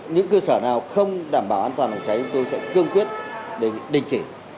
những cơ sở nào không đảm bảo an toàn phòng cháy tôi sẽ cương quyết để định chỉ